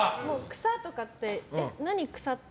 草！とかって何、草って？